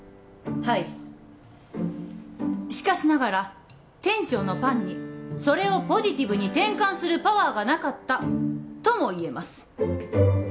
はいしかしながら店長のパンにそれをポジティブに転換するパワーがなかったとも言えます